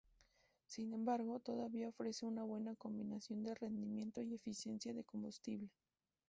Sin embargo, todavía ofrece una buena combinación de rendimiento y eficiencia de combustible.